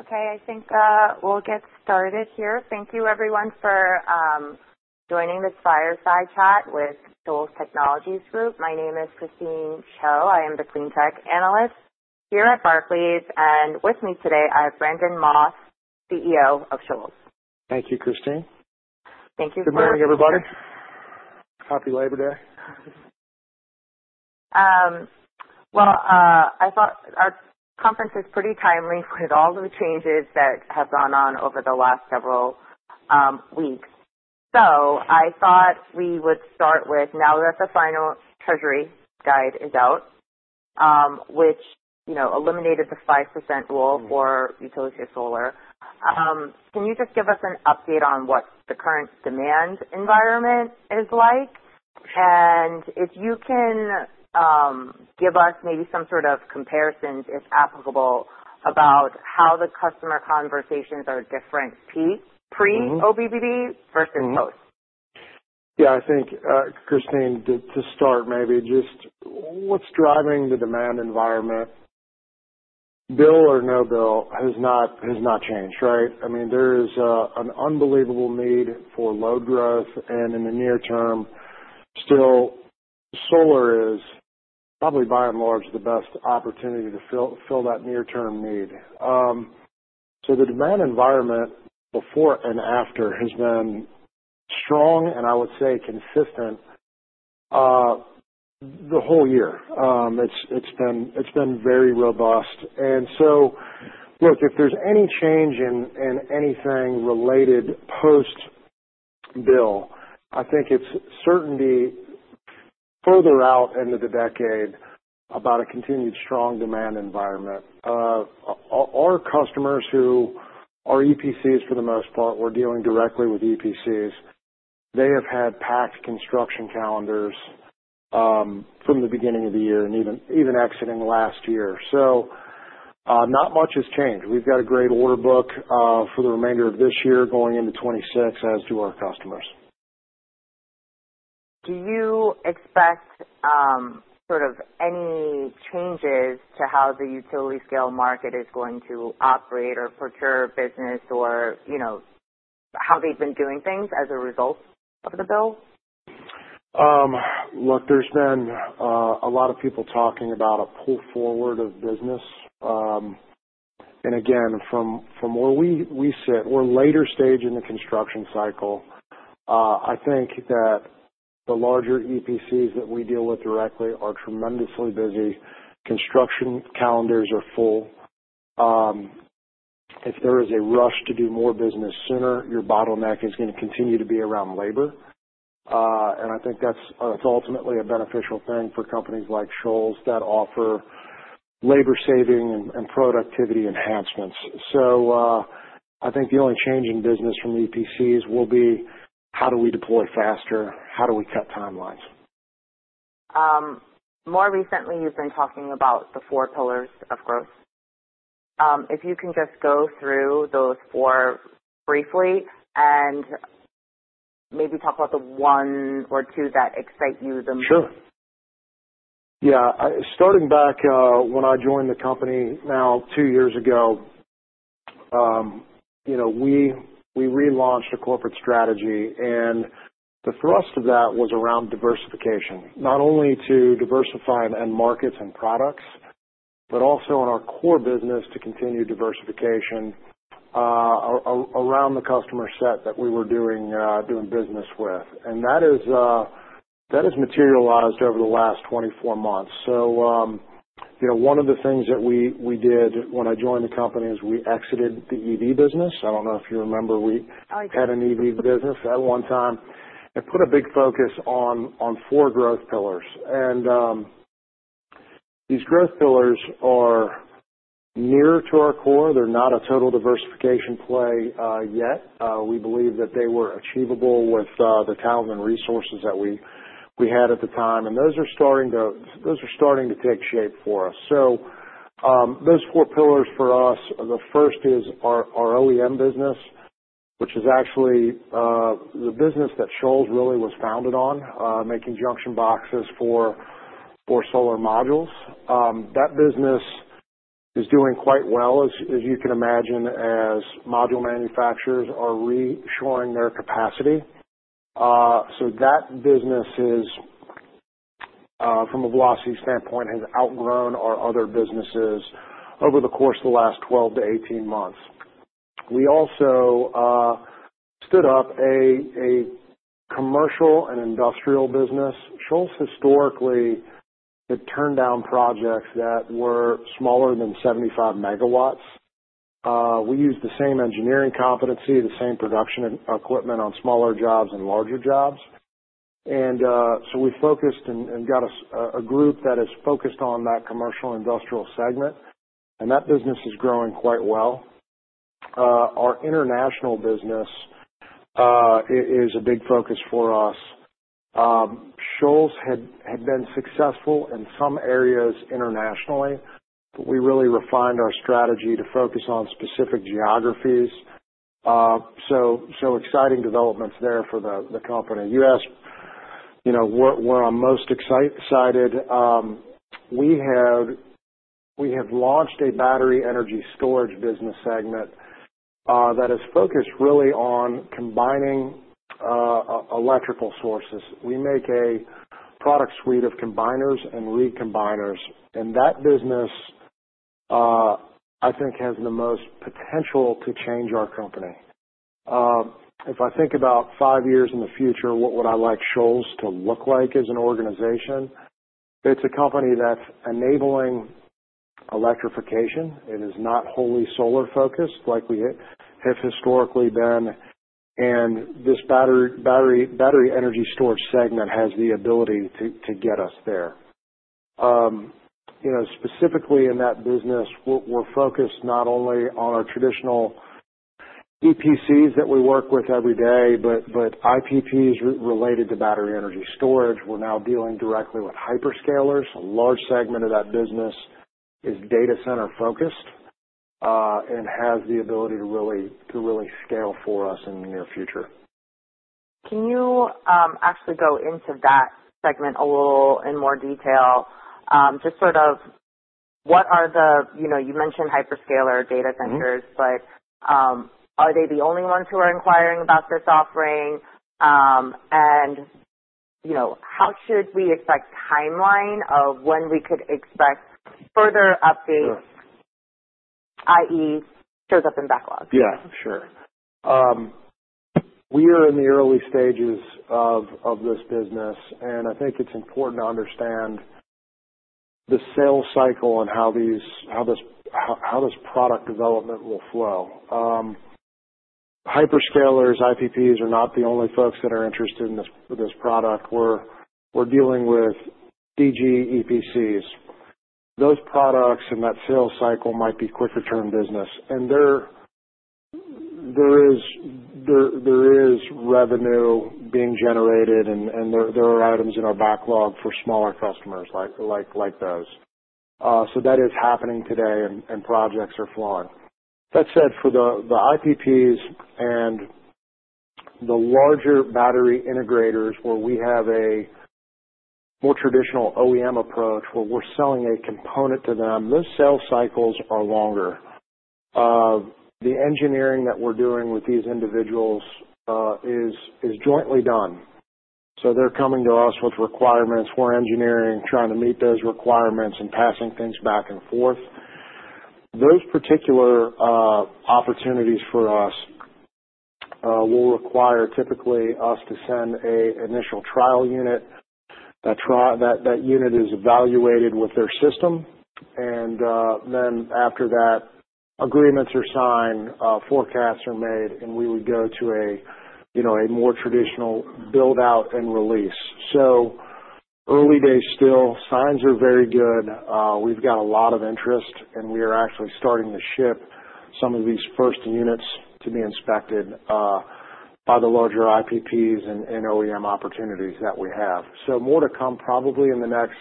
Okay, I think we'll get started here. Thank you, everyone, for joining this fireside chat with Shoals Technologies Group. My name is Christine Cho. I am the CleanTech Analyst here at Barclays, and with me today I have Brandon Moss, CEO of Shoals. Thank you, Christine. Thank you for having me. Good morning, everybody. Happy Labor Day. I thought our conference is pretty timely with all the changes that have gone on over the last several weeks. I thought we would start with, now that the final Treasury guide is out, which eliminated the 5% rule for utility solar, can you just give us an update on what the current demand environment is like? If you can give us maybe some sort of comparisons, if applicable, about how the customer conversations are different pre-IRA versus post? Yeah, I think, Christine, to start, maybe just what's driving the demand environment? Bill or no bill has not changed, right? I mean, there is an unbelievable need for load growth, and in the near term, still, solar is probably, by and large, the best opportunity to fill that near-term need. So the demand environment before and after has been strong, and I would say consistent the whole year. It's been very robust. And so, look, if there's any change in anything related post-bill, I think it's certainly further out into the decade about a continued strong demand environment. Our customers who are EPCs, for the most part, we're dealing directly with EPCs. They have had packed construction calendars from the beginning of the year and even exiting last year. So not much has changed. We've got a great order book for the remainder of this year going into 2026 as to our customers. Do you expect sort of any changes to how the utility-scale market is going to operate or procure business or how they've been doing things as a result of the bill? Look, there's been a lot of people talking about a pull forward of business. And again, from where we sit, we're later stage in the construction cycle. I think that the larger EPCs that we deal with directly are tremendously busy. Construction calendars are full. If there is a rush to do more business sooner, your bottleneck is going to continue to be around labor. And I think that's ultimately a beneficial thing for companies like Shoals that offer labor-saving and productivity enhancements. So I think the only change in business from EPCs will be how do we deploy faster. How do we cut timelines. More recently, you've been talking about the four pillars of growth. If you can just go through those four briefly and maybe talk about the one or two that excite you the most? Sure. Yeah. Starting back when I joined the company now two years ago, we relaunched a corporate strategy, and the thrust of that was around diversification. Not only to diversify in markets and products, but also in our core business to continue diversification around the customer set that we were doing business with, and that has materialized over the last 24 months, so one of the things that we did when I joined the company is we exited the EV business. I don't know if you remember, we had an EV business at one time, and put a big focus on four growth pillars, and these growth pillars are near to our core. They're not a total diversification play yet. We believe that they were achievable with the talent and resources that we had at the time, and those are starting to take shape for us. So those four pillars for us, the first is our OEM business, which is actually the business that Shoals really was founded on, making junction boxes for solar modules. That business is doing quite well, as you can imagine, as module manufacturers are reshoring their capacity. So that business, from a velocity standpoint, has outgrown our other businesses over the course of the last 12-18 months. We also stood up a commercial and industrial business. Shoals historically had turned down projects that were smaller than 75 megawatts. We used the same engineering competency, the same production equipment on smaller jobs and larger jobs. And so we focused and got a group that is focused on that commercial industrial segment, and that business is growing quite well. Our international business is a big focus for us. Shoals had been successful in some areas internationally, but we really refined our strategy to focus on specific geographies, so exciting developments there for the company. You asked where I'm most excited. We have launched a battery energy storage business segment that is focused really on combining electrical sources. We make a product suite of combiners and recombiners, and that business, I think, has the most potential to change our company. If I think about five years in the future, what would I like Shoals to look like as an organization? It's a company that's enabling electrification. It is not wholly solar-focused like we have historically been, and this battery energy storage segment has the ability to get us there. Specifically in that business, we're focused not only on our traditional EPCs that we work with every day, but IPPs related to battery energy storage. We're now dealing directly with hyperscalers. A large segment of that business is data center-focused and has the ability to really scale for us in the near future. Can you actually go into that segment a little in more detail? Just sort of what are they? You mentioned hyperscaler data centers, but are they the only ones who are inquiring about this offering? And how should we expect timeline of when we could expect further updates, i.e., shows up in backlog? Yeah, sure. We are in the early stages of this business, and I think it's important to understand the sales cycle and how this product development will flow. Hyperscalers, IPPs are not the only folks that are interested in this product. We're dealing with DG EPCs. Those products and that sales cycle might be quicker-term business, and there is revenue being generated, and there are items in our backlog for smaller customers like those, so that is happening today, and projects are flowing. That said, for the IPPs and the larger battery integrators, where we have a more traditional OEM approach where we're selling a component to them, those sales cycles are longer. The engineering that we're doing with these individuals is jointly done, so they're coming to us with requirements. We're engineering, trying to meet those requirements and passing things back and forth. Those particular opportunities for us will require typically us to send an initial trial unit. That unit is evaluated with their system, and then after that, agreements are signed, forecasts are made, and we would go to a more traditional build-out and release. So early days still, signs are very good. We've got a lot of interest, and we are actually starting to ship some of these first units to be inspected by the larger IPPs and OEM opportunities that we have. So more to come probably in the next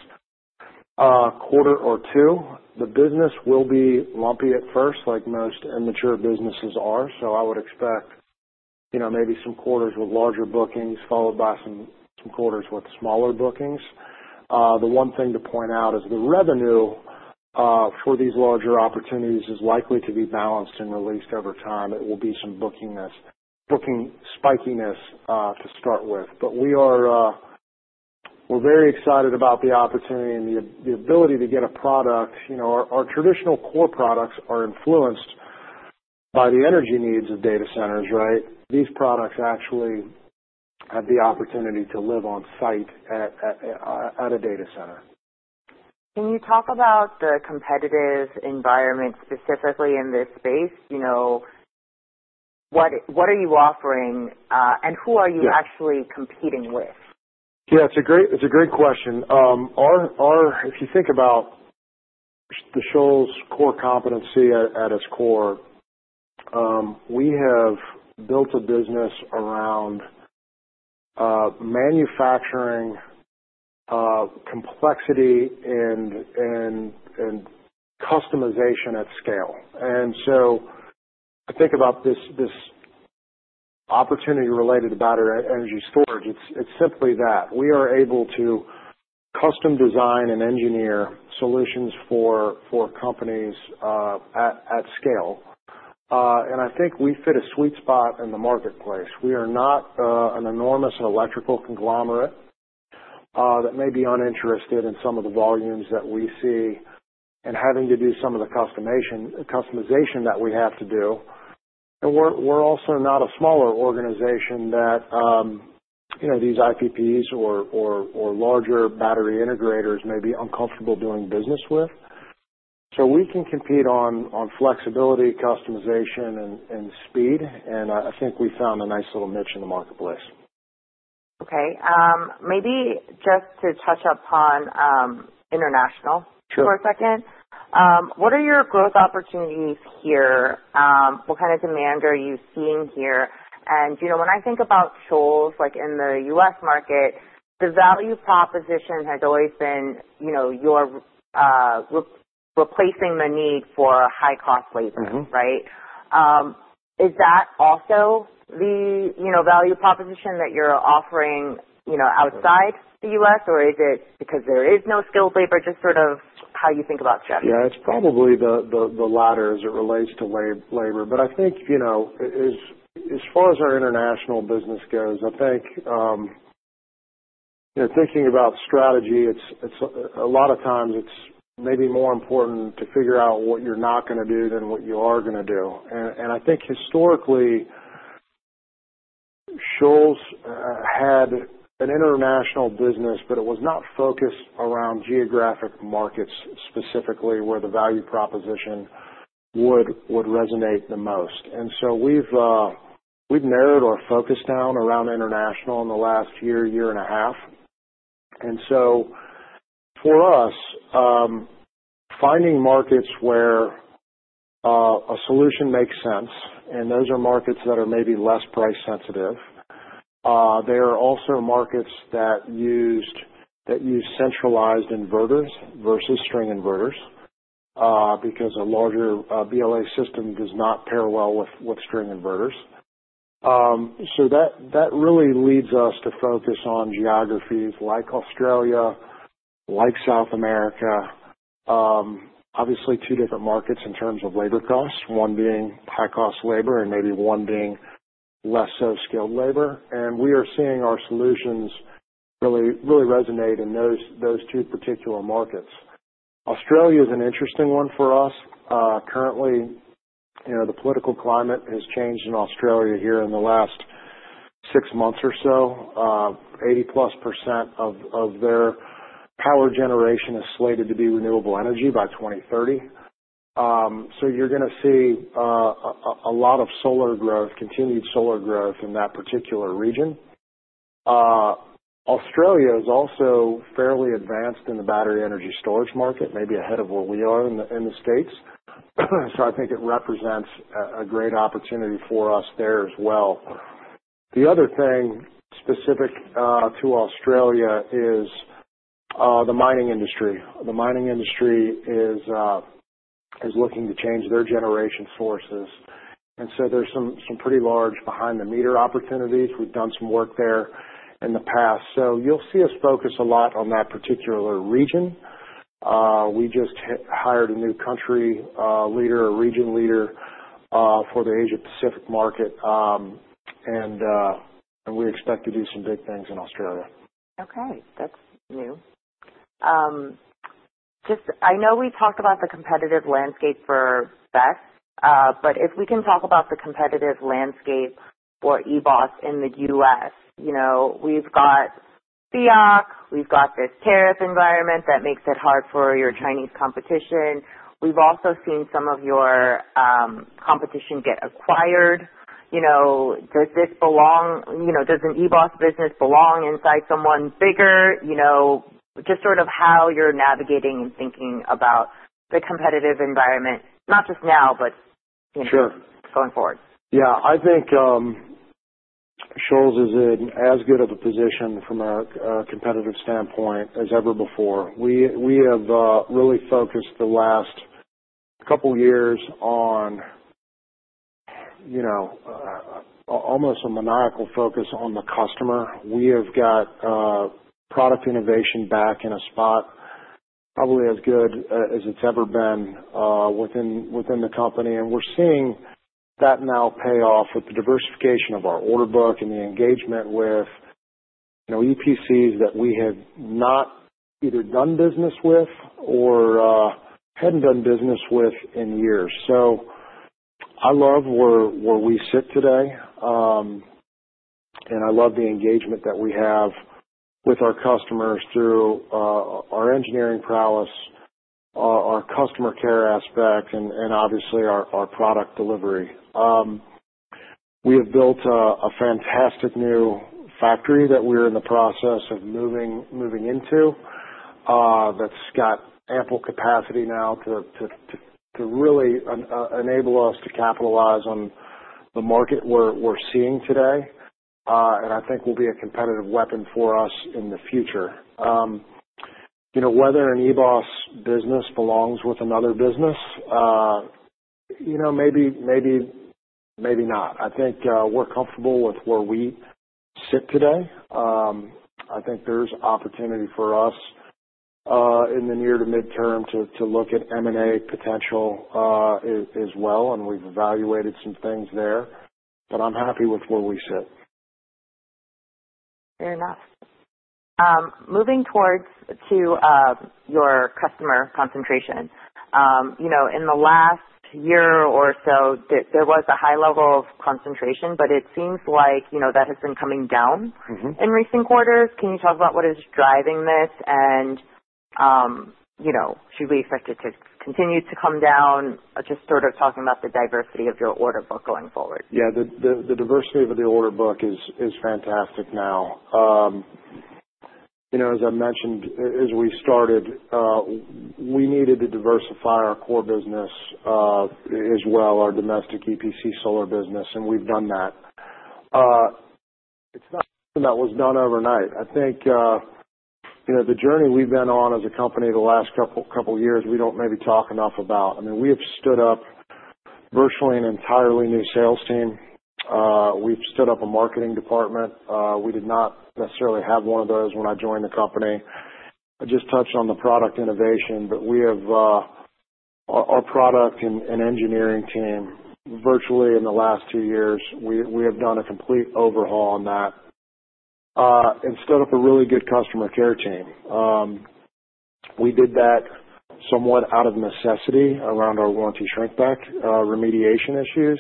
quarter or two. The business will be lumpy at first, like most immature businesses are. So I would expect maybe some quarters with larger bookings followed by some quarters with smaller bookings. The one thing to point out is the revenue for these larger opportunities is likely to be balanced and released over time. It will be some booking spikiness to start with. But we're very excited about the opportunity and the ability to get a product. Our traditional core products are influenced by the energy needs of data centers, right? These products actually have the opportunity to live on-site at a data center. Can you talk about the competitive environment specifically in this space? What are you offering, and who are you actually competing with? Yeah, it's a great question. If you think about the Shoals core competency at its core, we have built a business around manufacturing complexity and customization at scale. And so I think about this opportunity related to battery energy storage. It's simply that we are able to custom design and engineer solutions for companies at scale. And I think we fit a sweet spot in the marketplace. We are not an enormous electrical conglomerate that may be uninterested in some of the volumes that we see and having to do some of the customization that we have to do. And we're also not a smaller organization that these IPPs or larger battery integrators may be uncomfortable doing business with. So we can compete on flexibility, customization, and speed. And I think we found a nice little niche in the marketplace. Okay. Maybe just to touch upon international for a second, what are your growth opportunities here? What kind of demand are you seeing here? And when I think about Shoals in the U.S. market, the value proposition has always been you're replacing the need for high-cost labor, right? Is that also the value proposition that you're offering outside the U.S., or is it because there is no skilled labor? Just sort of how you think about it, Shoals? Yeah, it's probably the latter as it relates to labor. But I think as far as our international business goes, I think thinking about strategy, a lot of times it's maybe more important to figure out what you're not going to do than what you are going to do. I think historically, Shoals had an international business, but it was not focused around geographic markets specifically where the value proposition would resonate the most. We've narrowed our focus down around international in the last year, year and a half. For us, finding markets where a solution makes sense, and those are markets that are maybe less price-sensitive. There are also markets that use centralized inverters versus string inverters because a larger EBOS system does not pair well with string inverters. So that really leads us to focus on geographies like Australia, like South America, obviously two different markets in terms of labor costs, one being high-cost labor and maybe one being less so skilled labor. And we are seeing our solutions really resonate in those two particular markets. Australia is an interesting one for us. Currently, the political climate has changed in Australia here in the last six months or so. 80-plus% of their power generation is slated to be renewable energy by 2030. So you're going to see a lot of solar growth, continued solar growth in that particular region. Australia is also fairly advanced in the battery energy storage market, maybe ahead of where we are in the States. So I think it represents a great opportunity for us there as well. The other thing specific to Australia is the mining industry. The mining industry is looking to change their generation sources, and so there's some pretty large behind-the-meter opportunities. We've done some work there in the past, so you'll see us focus a lot on that particular region. We just hired a new country leader, a region leader for the Asia-Pacific market, and we expect to do some big things in Australia. Okay. That's new. I know we talked about the competitive landscape for BESS, but if we can talk about the competitive landscape for EBOS in the U.S., we've got the IRA. We've got this tariff environment that makes it hard for your Chinese competition. We've also seen some of your competition get acquired. Does this belong? Does an EBOS business belong inside someone bigger? Just sort of how you're navigating and thinking about the competitive environment, not just now, but going forward? Yeah. I think Shoals is in as good of a position from a competitive standpoint as ever before. We have really focused the last couple of years on almost a maniacal focus on the customer. We have got product innovation back in a spot probably as good as it's ever been within the company. And we're seeing that now pay off with the diversification of our order book and the engagement with EPCs that we have not either done business with or hadn't done business with in years. So I love where we sit today, and I love the engagement that we have with our customers through our engineering prowess, our customer care aspect, and obviously our product delivery. We have built a fantastic new factory that we're in the process of moving into that's got ample capacity now to really enable us to capitalize on the market we're seeing today, and I think will be a competitive weapon for us in the future. Whether an EBOS business belongs with another business, maybe not. I think we're comfortable with where we sit today. I think there's opportunity for us in the near to midterm to look at M&A potential as well, and we've evaluated some things there, but I'm happy with where we sit. Fair enough. Moving toward your customer concentration. In the last year or so, there was a high level of concentration, but it seems like that has been coming down in recent quarters. Can you talk about what is driving this, and should we expect it to continue to come down? Just sort of talking about the diversity of your order book going forward? Yeah. The diversity of the order book is fantastic now. As I mentioned, as we started, we needed to diversify our core business as well, our domestic EPC solar business, and we've done that. It's not something that was done overnight. I think the journey we've been on as a company the last couple of years, we don't maybe talk enough about. I mean, we have stood up virtually an entirely new sales team. We've stood up a marketing department. We did not necessarily have one of those when I joined the company. I just touched on the product innovation, but our product and engineering team, virtually in the last two years, we have done a complete overhaul on that and stood up a really good customer care team. We did that somewhat out of necessity around our wire insulation shrinkback remediation issues.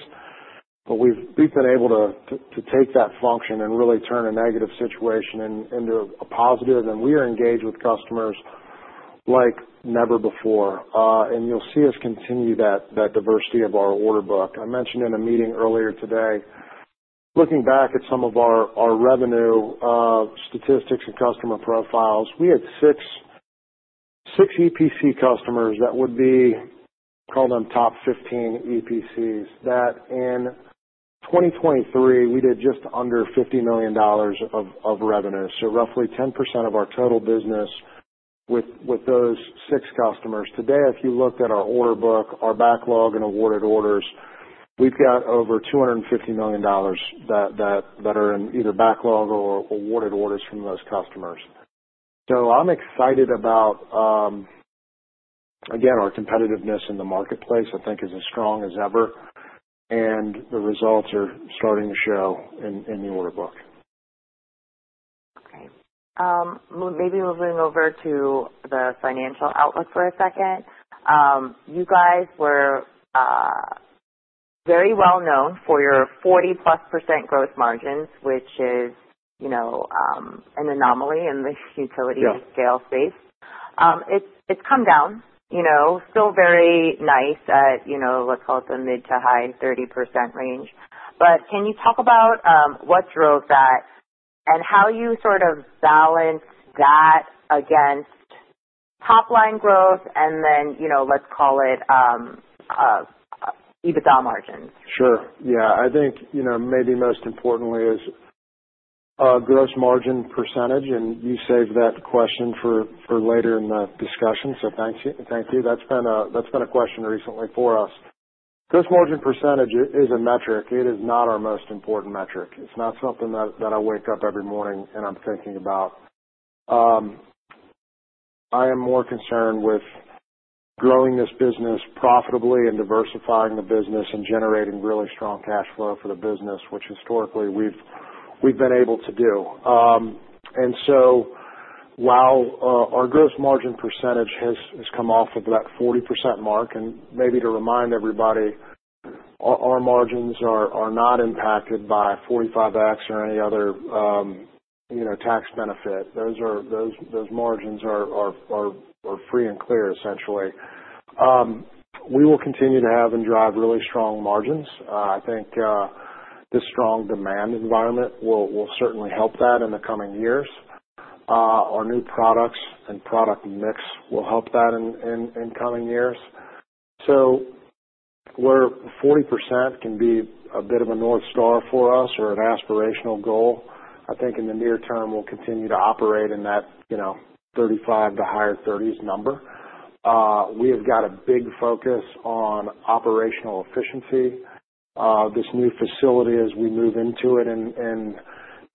We've been able to take that function and really turn a negative situation into a positive. We are engaged with customers like never before. You'll see us continue that diversity of our order book. I mentioned in a meeting earlier today, looking back at some of our revenue statistics and customer profiles, we had six EPC customers that we would call the top 15 EPCs. That, in 2023, we did just under $50 million of revenue. Roughly 10% of our total business with those six customers. Today, if you look at our order book, our backlog, and awarded orders, we've got over $250 million that are in either backlog or awarded orders from those customers. I'm excited about, again, our competitiveness in the marketplace. I think it's as strong as ever, and the results are starting to show in the order book. Okay. Maybe moving over to the financial outlook for a second. You guys were very well known for your 40-plus% gross margins, which is an anomaly in the utility scale space. It's come down, still very nice at, let's call it the mid to high 30% range. But can you talk about what drove that and how you sort of balance that against top-line growth and then, let's call it EBITDA margins? Sure. Yeah. I think maybe most importantly is gross margin percentage, and you saved that question for later in the discussion, so thank you. That's been a question recently for us. Gross margin percentage is a metric. It is not our most important metric. It's not something that I wake up every morning and I'm thinking about. I am more concerned with growing this business profitably and diversifying the business and generating really strong cash flow for the business, which historically we've been able to do. And so while our gross margin percentage has come off of that 40% mark, and maybe to remind everybody, our margins are not impacted by 45X or any other tax benefit. Those margins are free and clear, essentially. We will continue to have and drive really strong margins. I think this strong demand environment will certainly help that in the coming years. Our new products and product mix will help that in coming years. So where 40% can be a bit of a North Star for us or an aspirational goal, I think in the near term, we'll continue to operate in that 35% to higher 30s number. We have got a big focus on operational efficiency. This new facility, as we move into it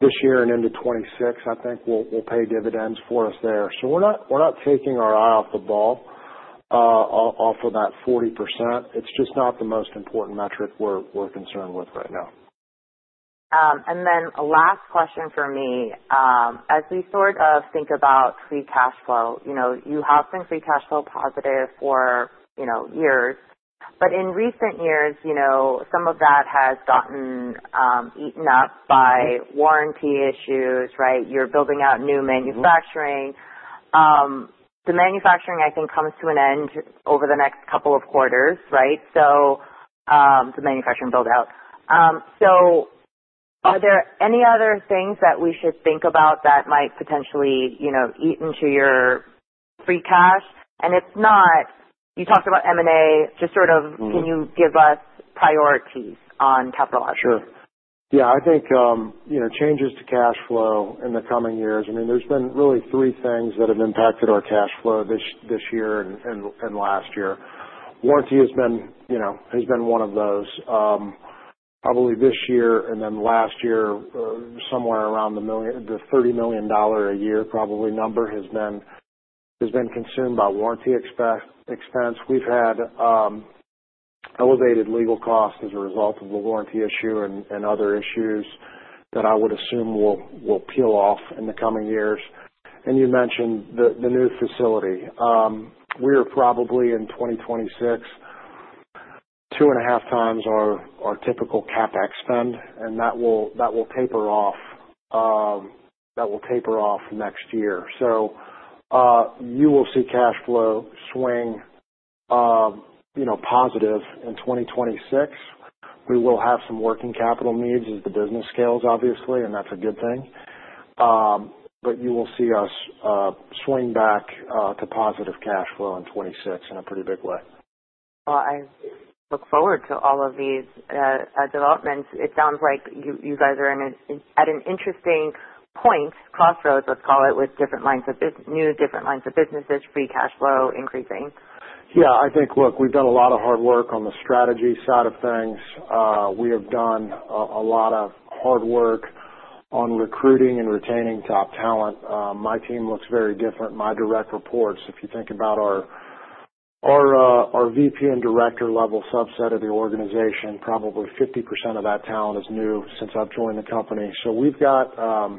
this year and into 2026, I think will pay dividends for us there. So we're not taking our eye off the ball of that 40%. It's just not the most important metric we're concerned with right now. And then last question for me. As we sort of think about free cash flow, you have been free cash flow positive for years. But in recent years, some of that has gotten eaten up by warranty issues, right? You're building out new manufacturing. The manufacturing, I think, comes to an end over the next couple of quarters, right? So the manufacturing build-out. So are there any other things that we should think about that might potentially eat into your free cash? And it's not you talked about M&A. Just sort of can you give us priorities on capital options? Sure. Yeah. I think changes to cash flow in the coming years. I mean, there's been really three things that have impacted our cash flow this year and last year. Warranty has been one of those. Probably this year and then last year, somewhere around the $30 million a year probably number has been consumed by warranty expense. We've had elevated legal costs as a result of the warranty issue and other issues that I would assume will peel off in the coming years, and you mentioned the new facility. We are probably in 2026, two and a half times our typical CapEx spend, and that will taper off. That will taper off next year, so you will see cash flow swing positive in 2026. We will have some working capital needs as the business scales, obviously, and that's a good thing. But you will see us swing back to positive cash flow in 2026 in a pretty big way. I look forward to all of these developments. It sounds like you guys are at an interesting point, crossroads, let's call it, with different lines of new businesses, free cash flow increasing. Yeah. I think, look, we've done a lot of hard work on the strategy side of things. We have done a lot of hard work on recruiting and retaining top talent. My team looks very different. My direct reports, if you think about our VP and director level subset of the organization, probably 50% of that talent is new since I've joined the company. So we've got the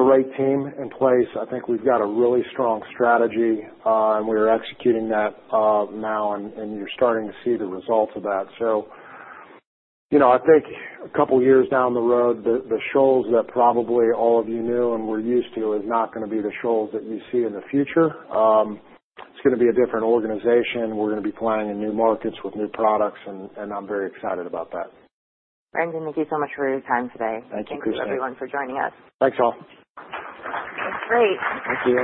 right team in place. I think we've got a really strong strategy, and we are executing that now, and you're starting to see the results of that. So I think a couple of years down the road, the Shoals that probably all of you knew and were used to is not going to be the Shoals that you see in the future. It's going to be a different organization. We're going to be playing in new markets with new products, and I'm very excited about that. Brandon, thank you so much for your time today. Thank you, Christine. Thank you, everyone, for joining us. Thanks, all. That's great. Thank you.